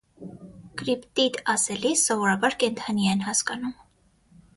Կրիպտիդ ասելիս սովորաբար կենդանի են հասկանում։